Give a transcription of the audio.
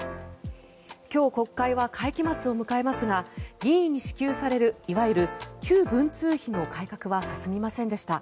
今日、国会は会期末を迎えますが議員に支給されるいわゆる旧文通費の改革は進みませんでした。